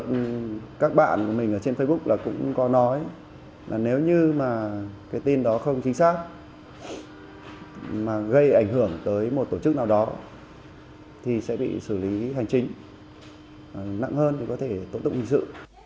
đã bị hành chính nặng hơn để có thể tổn thụ hình sự